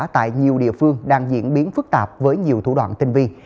tại nhiều địa phương đang diễn biến phức tạp với nhiều thủ đoạn tinh vi